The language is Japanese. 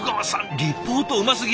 リポートうますぎ。